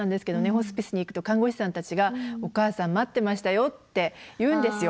ホスピスに行くと看護師さんたちがお母さん待ってましたよって言うんですよ。